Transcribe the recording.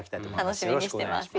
楽しみにしてます。